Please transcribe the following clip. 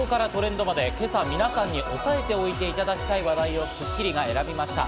速報からトレンドまで、今朝みなさんにおさえておいていただきたい話題を『スッキリ』が選びました。